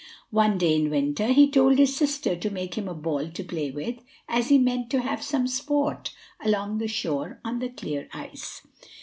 One day in winter he told his sister to make him a ball to play with, as he meant to have some sport along the shore on the clear ice.